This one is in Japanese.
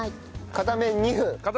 片面２分。